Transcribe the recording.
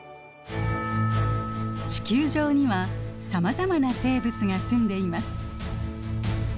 地球上にはさまざまな生物がすんでいます。